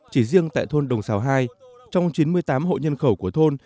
chỉ riêng tại thôn đồng xào hai trong chín mươi tám hộ nhân khẩu của thôn